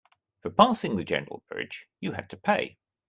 For passing the general bridge, you had to pay.